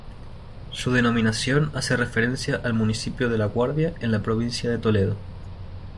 Su denominación hace referencia al municipio de La Guardia en la provincia de Toledo.